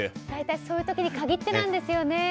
大体そういう時に限ってなんですよね。